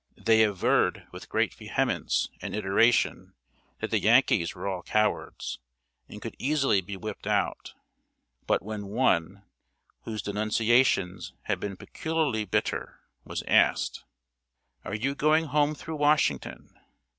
They averred with great vehemence and iteration that the Yankees were all cowards, and could easily be "whipped out;" but when one, whose denunciations had been peculiarly bitter, was asked: [Sidenote: THE COUNTRY ON FIRE.] "Are you going home through Washington?"